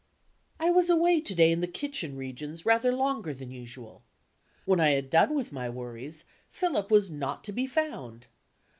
I was away to day in the kitchen regions rather longer than usual. When I had done with my worries, Philip was not to be found.